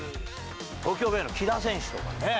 東京ベイの木田選手とかね。